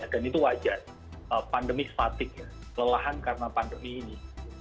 dan itu wajar pandemi spatik ya lelahan karena pandemi ini